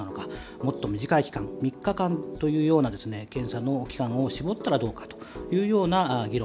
もっと短い期間３日間というように期間を絞ったらどうかという議論。